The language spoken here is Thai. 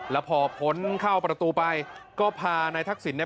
แล้วพอพ้นเข้าประตูไปก็พานายทักษิณเนี่ย